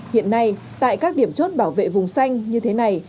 hiện nay tại các điểm chốt bảo vệ vùng xanh như thế này